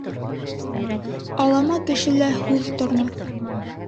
Алама кешелә һүҙ тормаҫ.